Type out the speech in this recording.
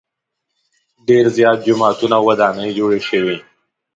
ډېر زیات جوماتونه او ودانۍ جوړې شوې.